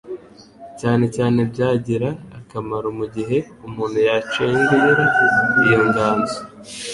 Cyane cyane byagira akamaro mu gihe umuntu yacengera iyo nganzo